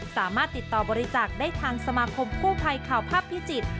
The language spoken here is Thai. สามารถติดต่อบริจาคได้ทางสมาคมกู้ภัยข่าวภาพพิจิตร